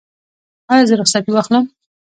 ایا زه رخصتي واخلم؟